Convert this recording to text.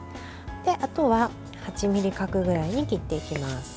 あとは８ｍｍ角ぐらいに切っていきます。